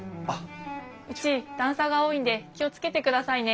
うち段差が多いんで気を付けてくださいね。